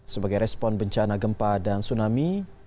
sebagai respon bencana gempa dan tsunami